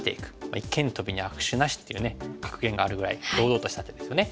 「一間トビに悪手なし」っていう格言があるぐらい堂々とした手ですよね。